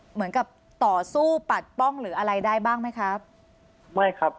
เหมือนกับต่อสู้ปัดป้องหรืออะไรได้บ้างไหมครับไม่ครับ